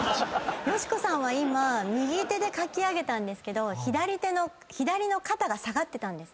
よしこさんは今右手でかき上げたんですけど左の肩が下がってたんですね。